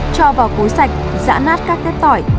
cho vào cối sạch dã nát các tép tỏi